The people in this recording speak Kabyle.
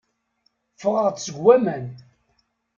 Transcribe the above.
Ffɣeɣ-d seg waman.